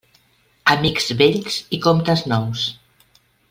Amics vells i comptes nous.